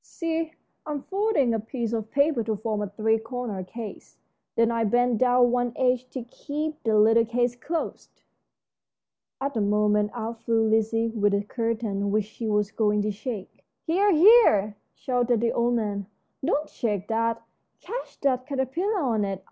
See, I'm folding a piece of paper to form a three cornered case. Then I bend down one edge to keep the little case closed." At this moment out flew Lizzie with a curtain which she was going to shake. "Here, here!" shouted the old man, "don't shake that; catch that caterpillar on it.